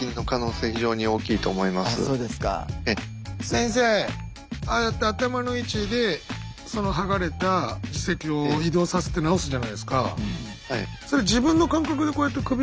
先生ああやって頭の位置でその剥がれた耳石を移動させて治すじゃないですか。